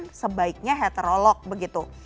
kalau baiknya heterolog begitu